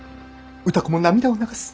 歌子も涙を流す。